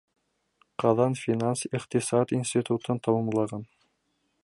Ҡазан финанс-иҡтисад институтын тамамлаған.